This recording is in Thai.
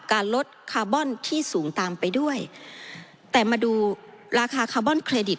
การลดคาร์บอนที่สูงตามไปด้วยแต่มาดูราคาคาร์บอนเครดิต